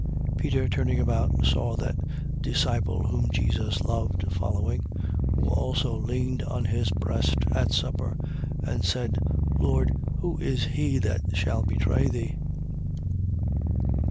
21:20. Peter turning about, saw that disciple whom Jesus loved following, who also leaned on his breast at supper and said: Lord, who is he that shall betray thee?